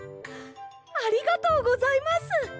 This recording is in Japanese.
ありがとうございます！